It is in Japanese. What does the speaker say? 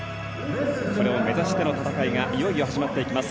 それを目指しての戦いがいよいよ始まっていきます。